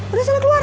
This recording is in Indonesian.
udah saya keluar